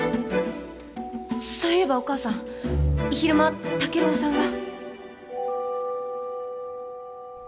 そういえばお母さん昼間竹郎さんが。